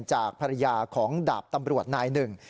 จากภรรยาของดาบตำรวจนายหนึ่ง